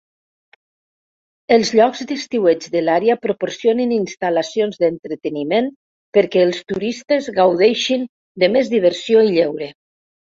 Els llocs d'estiueig de l'àrea proporcionen instal·lacions d'entreteniment perquè els turistes gaudeixin de més diversió i lleure.